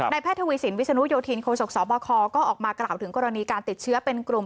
แพทย์ทวีสินวิศนุโยธินโคศกสบคก็ออกมากล่าวถึงกรณีการติดเชื้อเป็นกลุ่ม